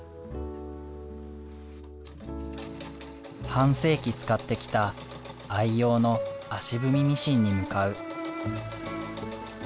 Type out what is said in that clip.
半世紀使ってきた愛用の足踏みミシンに向かう。